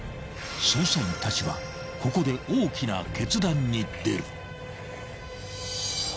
［捜査員たちはここで大きな決断に出る］